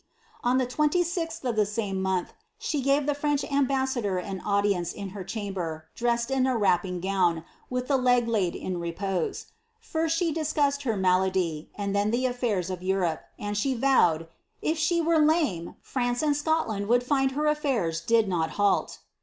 On the 2Gth of the same month, she gave the French ambassador an audience in her chamber, dressed in a wrapping gown, with the leg laid in repose. First she discussed her malady, and then the affairs of Europe, and she vowed, ^ if she were kme, France and Scotland would find her aflairs did not halt."